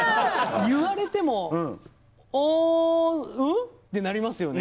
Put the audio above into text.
言われてもああ、うん？ってなりますよね？